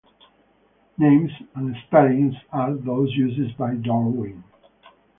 Names and spellings are those used by Darwin.